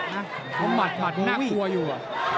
มัดมัดน่ากลัวอยู่